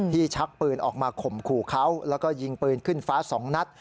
ชักปืนออกมาข่มขู่เขาแล้วก็ยิงปืนขึ้นฟ้า๒นัด